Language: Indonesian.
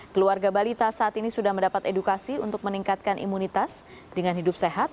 keluarga balita saat ini sudah mendapat edukasi untuk meningkatkan imunitas dengan hidup sehat